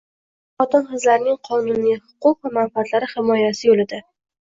Barchasi xotin-qizlarning qonuniy huquq va manfaatlari himoyasi yo'lida